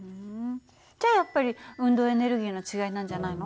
じゃあやっぱり運動エネルギーの違いなんじゃないの？